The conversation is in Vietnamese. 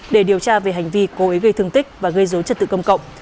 để điều tra về hành vi cố ý gây thương tích và gây dối trật tự công cộng